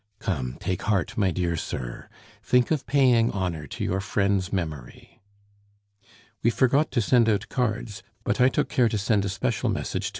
"Come, take heart, my dear sir. Think of paying honor to your friend's memory." "We forgot to send out cards; but I took care to send a special message to M.